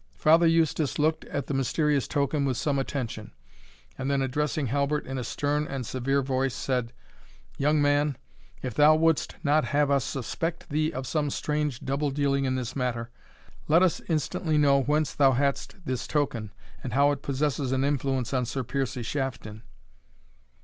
Father Eustace looked at the mysterious token with some attention; and then addressing Halbert in a stern and severe voice, said, "Young man, if thou wouldst not have us suspect thee of some strange double dealing in this matter, let us instantly know whence thou hadst this token, and how it possesses an influence on Sir Piercie Shafton?"